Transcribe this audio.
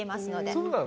そうなの？